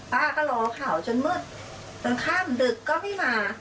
ป้าก็รอข่าวจนมืดจนข้ามดึกก็ไม่มา